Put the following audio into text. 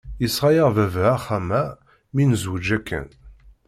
Yesɣa-yaɣ baba axxam-a mi nezweǧ akken.